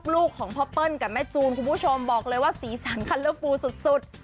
ลูกของพ่อเปิ้ลกับแม่จูนคุณผู้ชมบอกเลยว่าสีสันคัลเลอร์ฟูสุด